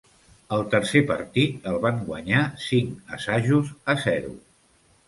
El tercer partit el van guanyar cinc assajos a zero.